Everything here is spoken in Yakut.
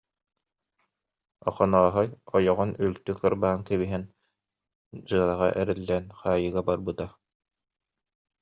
Охонооһой ойоҕун үлтү кырбаан кэбиһэн, дьыалаҕа эриллэн хаайыыга барбыта